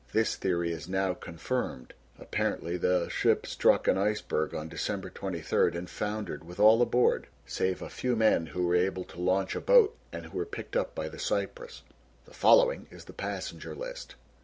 This theory is now confirmed. Apparently the ship struck an iceberg on December 23rd and foundered with all aboard save a few men who were able to launch a boat and who were picked up by the Cyprus. The following is the passenger list."